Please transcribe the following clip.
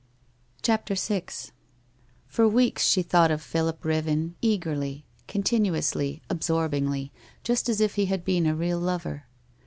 CHAPTEE VI For weeks she thought of Philip Riven eagerly, continu ously, absorbingly, just as if he had been a real lover.